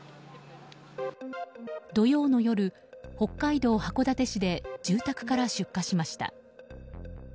土曜の夜、北海道函館市で住宅から出火しました。